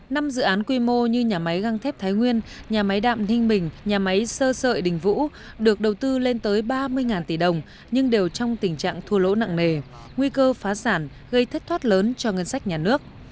năm dự án quy mô như nhà máy găng thép thái nguyên nhà máy đạm ninh bình nhà máy sơ sợi đình vũ được đầu tư lên tới ba mươi tỷ đồng nhưng đều trong tình trạng thua lỗ nặng nề nguy cơ phá sản gây thất thoát lớn cho ngân sách nhà nước